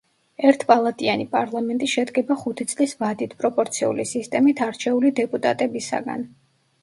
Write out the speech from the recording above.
ერთპალატიანი პარლამენტი შედგება ხუთი წლის ვადით, პროპორციული სისტემით არჩეული დეპუტატებისაგან.